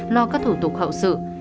lo các thủ tục hậu sự